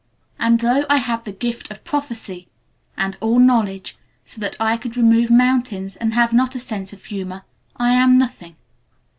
And though I have the gift of Prophecy and all knowledge so that I could remove Mountains, and have not a Sense of Humor, I am nothing.